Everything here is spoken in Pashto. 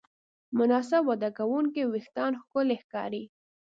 مناسب وده کوونکي وېښتيان ښکلي ښکاري.